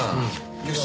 よし。